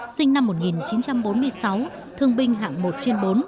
sinh năm một nghìn chín trăm bốn mươi sáu thương binh hạng một trên bốn